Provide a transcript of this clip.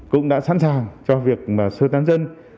cũng đã sẵn sàng cho việc sơ tán dân